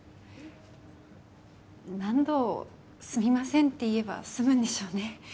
何度すみませんって言えば済むんでしょうね。